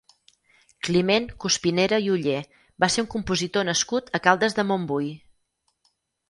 Climent Cuspinera i Oller va ser un compositor nascut a Caldes de Montbui.